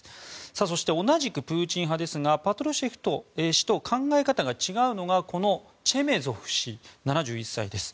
そして、同じくプーチン派ですがパトルシェフ氏と考え方が違うのがこのチェメゾフ氏、７１歳です。